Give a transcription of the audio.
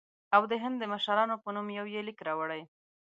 او د هند د مشرانو په نوم یې یو لیک راوړی.